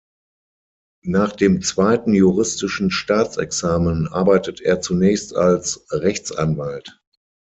Nach dem zweiten juristischen Staatsexamen arbeitet er zunächst als Rechtsanwalt.